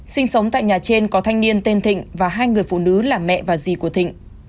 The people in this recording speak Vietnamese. sinh sống tại nhà trên có thanh niên tên thịnh và hai người phụ nữ là mẹ và dì của thịnh